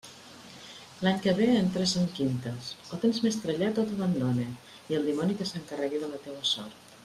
L'any que ve entres en quintes; o tens més trellat o t'abandone, i el dimoni que s'encarregue de la teua sort.